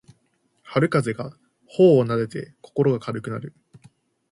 春風が頬をなでて心が軽くなる